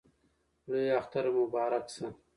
لوی اختر مو مبارک سه!